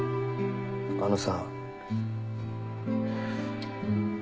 あのさ。